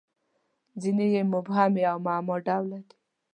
• ځینې یې مبهمې او معما ډوله دي.